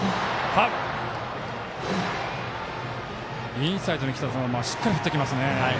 インサイドにきた球をしっかり振ってきますね。